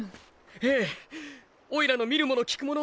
ええオイラの見るもの聞くもの